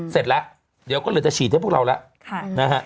เสร็จแล้วเดี๋ยวก็เหลือจะฉีดให้พวกเราแล้วนะฮะ